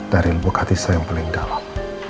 dari lubuk hati saya yang paling dalam